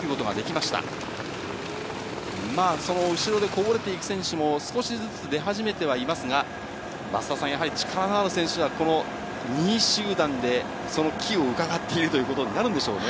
まあ、その後ろでこぼれていく選手も、少しずつ出始めてはいますが、増田さん、やはり力のある選手は、この２位集団で、その機をうかがっているということになるんでしょうね。